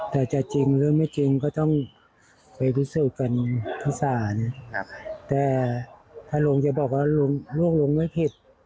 แต่จะจริงหรือไม่จริงก็ต้องไปรู้สึกกันทุกสารครับแต่ถ้าลุงจะบอกว่าลุงลูกลุงไม่ผิด